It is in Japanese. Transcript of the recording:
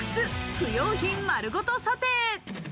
不用品まるごと査定。